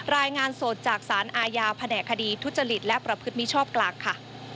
รายงานสดจากสารอาญาแผนกคดีทุจริตและประพฤติมิชอบกลางค่ะ